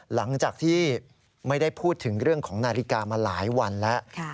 หลังจากที่ไม่ได้พูดถึงเรื่องของนาฬิกามาหลายวันแล้ว